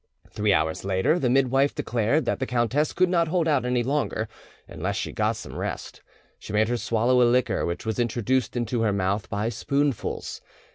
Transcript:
Three hours later, the midwife declared that the countess could not hold out any longer unless she got some rest. She made her swallow a liquor which was introduced into her mouth by spoonfuls.